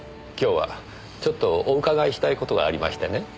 今日はちょっとお伺いしたい事がありましてね。